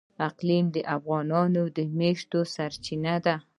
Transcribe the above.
اقلیم د افغانانو د معیشت سرچینه ده.